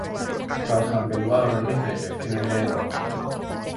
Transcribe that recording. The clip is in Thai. เราทำเป็นว่ามันไม่เคยเกิดขึ้นไม่ได้หรอก